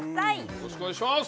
よろしくお願いします！